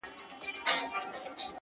ښکلا د دې؛ زما،